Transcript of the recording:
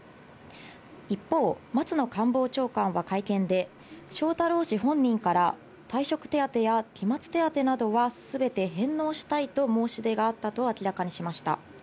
一方、松野官房長官は会見で翔太郎氏本人から退職手当や期末手当などは全て返納したいと申し出があったと明らかにしました。